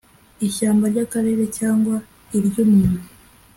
ishyamba ry Akarere cyangwa iry umuntu